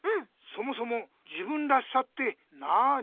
そもそも自分らしさって何？